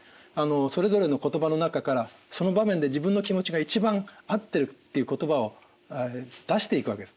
それぞれの言葉の中からその場面で自分の気持ちが一番合ってるっていう言葉を出していくわけです。